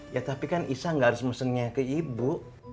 ya tapi kan isah enggak harus mesennya ke ibu